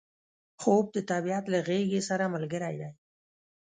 خوب د طبیعت له غیږې سره ملګری دی